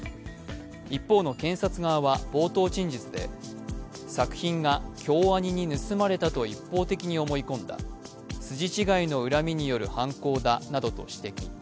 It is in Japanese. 一方の検察側は冒頭陳述で、作品が京アニに盗まれたと一方的に思い込んだ、筋違いの恨みによる犯行だなどと指摘。